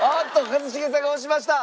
一茂さんが押しました！